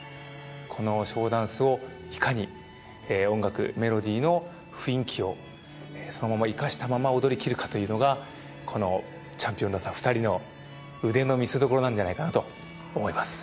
このショーダンスをいかに音楽メロディの雰囲気をそのまま生かしたまま踊り切るかというのがこのチャンピオンになった２人の腕の見せどころなんじゃないかなと思います。